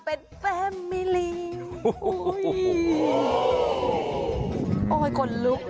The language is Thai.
โอ้ยกลนนูก